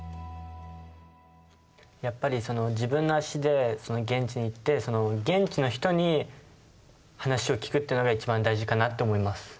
やっぱりその自分の足で現地に行って現地の人に話を聞くっていうのが一番大事かなって思います。